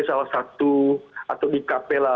salah satu atau di kapela